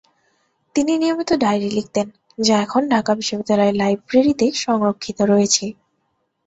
তিনি নিয়মিত ডায়েরি লিখতেন যা এখন ঢাকা বিশ্ববিদ্যালয়ের লাইব্রেরীতে সংরক্ষিত রয়েছে।